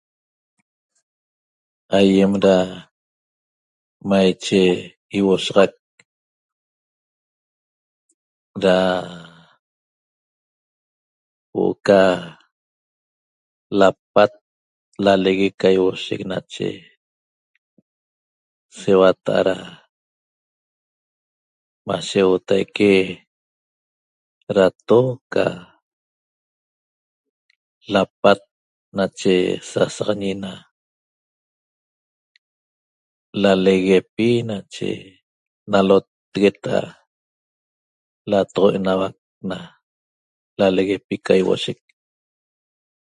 Aýem da maicha ýiuoshaxac da huo'o ca lapat lalegue ca ýiuoshec nache seuata'a da mashe huotaique dato ca lapat nache sasaxañi na laleguepi nache naloteguet da latoxo enauac na laleguepi ca ýiuoshec